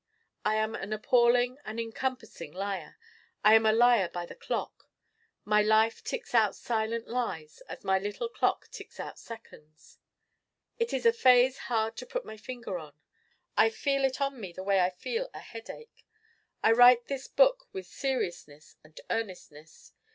I am an appalling, an encompassing Liar. I am a Liar by the clock. My life ticks out silent lies as my little clock ticks out seconds. It is a phase hard to put my finger on. I feel it on me the way I feel a headache. I write this book with seriousness and earnestness.